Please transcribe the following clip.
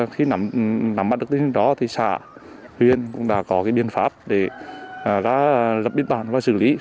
khi nắm mắt được tính đó thì xã huyện cũng đã có biện pháp để lập biên toàn và xử lý